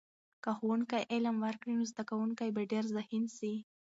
که ښوونکی علم ورکړي، نو زده کونکي به ډېر ذهین سي.